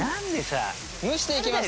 蒸していきます。